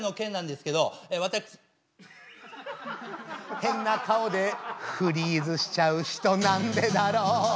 「変な顔でフリーズしちゃう人なんでだろう」